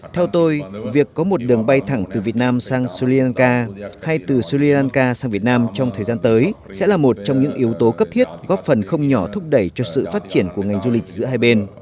theo tôi việc có một đường bay thẳng từ việt nam sang sri lanka hay từ sri lanka sang việt nam trong thời gian tới sẽ là một trong những yếu tố cấp thiết góp phần không nhỏ thúc đẩy cho sự phát triển của ngành du lịch giữa hai bên